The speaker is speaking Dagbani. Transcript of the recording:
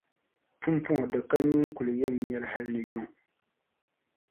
Pumpɔŋɔ di ka nyu n-kuli yɛn nyɛ li hali ni yuŋ